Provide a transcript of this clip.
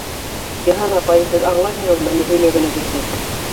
Йыһан апай, һеҙ аңлайһығыҙмы ни һөйләгәнегеҙҙе?